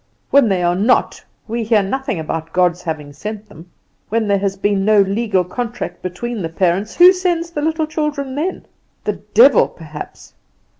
When they are not, we hear nothing about God's having sent them. When there has been no legal contract between the parents, who sends the little children then? The devil perhaps!"